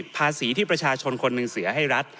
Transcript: ภาษีที่ประชาชนคนหนึ่งเสียให้รัฐ